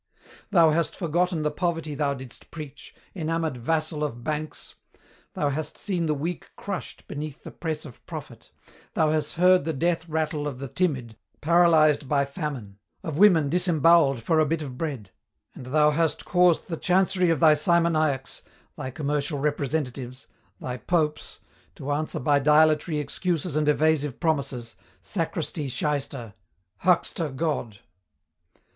"Thou hast forgotten the poverty thou didst preach, enamoured vassal of Banks! Thou hast seen the weak crushed beneath the press of profit; thou hast heard the death rattle of the timid, paralyzed by famine, of women disembowelled for a bit of bread, and thou hast caused the Chancery of thy Simoniacs, thy commercial representatives, thy Popes, to answer by dilatory excuses and evasive promises, sacristy Shyster, huckster God!